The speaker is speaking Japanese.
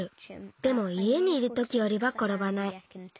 でもいえにいるときよりはころばない。